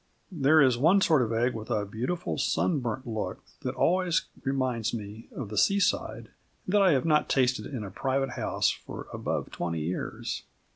There is one sort of egg with a beautiful sunburnt look that always reminds me of the seaside, and that I have not tasted in a private house for above twenty years.